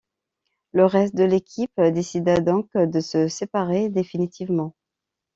Le reste de l’équipe décida donc de se séparer définitivement.